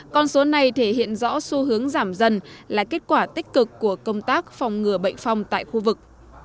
con số này thể hiện rõ xu hướng giảm dần là kết quả tích cực của công tác phòng ngừa bệnh phong tại khu vực